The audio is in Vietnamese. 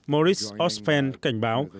maurice ospen cảnh báo